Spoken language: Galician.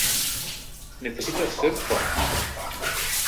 Necesitas ser forte.